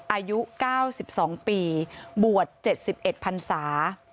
อายุ๙๒ปีบวช๗๑พันศา